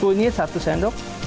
kunyit satu sendok